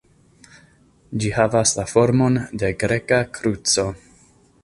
Ĝi havas la formon de Greka kruco.